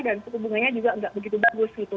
dan hubungannya juga nggak begitu bagus gitu